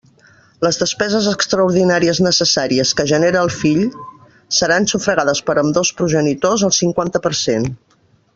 Les despeses extraordinàries necessàries que genere el fill seran sufragades per ambdós progenitors al cinquanta per cent.